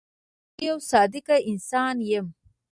زه یو صادقه انسان یم.